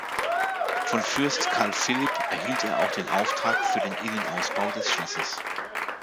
Von Fürst Carl Philipp erhielt er auch den Auftrag für den Innenausbau des Schlosses.